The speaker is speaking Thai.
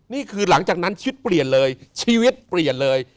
นี่คือหลังจากนั้นชีวิตเปลี่ยนเลยชีวิตเปลี่ยนเลย